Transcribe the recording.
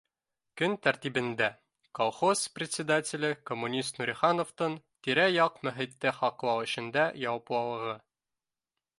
Көн тәртибендә: «Колхоз председателе коммунист Нурихановтың тирә-яҡ мөхитте һаҡлау эшендә яуаплылығы»